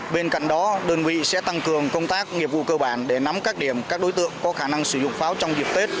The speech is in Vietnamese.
bên cạnh đó đơn vị sẽ tăng cường công tác nghiệp vụ cơ bản để nắm các điểm các đối tượng có khả năng sử dụng pháo trong dịp tết